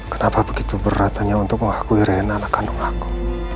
kenapa begitu beratnya untuk mengakui reina anak kandung aku